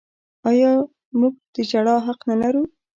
آیا موږ د ژړا حق نلرو؟